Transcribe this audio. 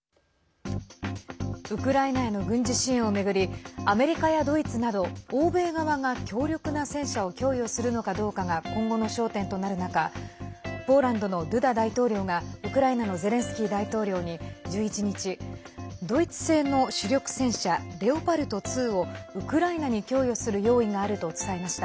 ウクライナへの軍事支援を巡りアメリカやドイツなど欧米側が強力な戦車を供与するのかどうかが今後の焦点となる中ポーランドのドゥダ大統領がウクライナのゼレンスキー大統領に１１日、ドイツ製の主力戦車レオパルト２をウクライナに供与する用意があると伝えました。